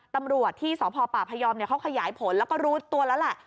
ตำรวจที่สพปพยอมเขาขยายผลแล้วก็รู้ตัวแล้วแหละ